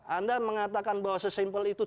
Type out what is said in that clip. anda mengatakan bahwa sesimpel itu